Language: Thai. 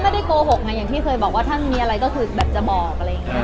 ไม่ได้โกหกไงอย่างที่เคยบอกว่าถ้ามีอะไรก็คือแบบจะบอกอะไรอย่างนี้